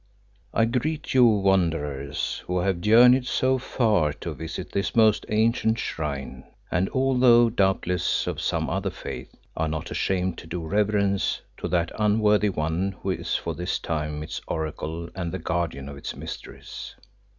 "I greet you, Wanderers, who have journeyed so far to visit this most ancient shrine, and although doubtless of some other faith, are not ashamed to do reverence to that unworthy one who is for this time its Oracle and the guardian of its mysteries.